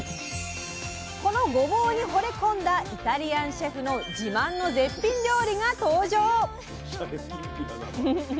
このごぼうにほれ込んだイタリアンシェフの自慢の絶品料理が登場！